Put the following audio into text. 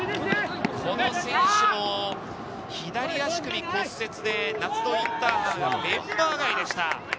この選手も左足首骨折で夏のインターハイ、メンバー外でした。